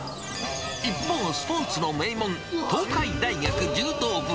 一方、スポーツの名門、東海大学柔道部。